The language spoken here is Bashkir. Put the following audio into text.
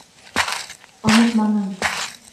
— Онотманым...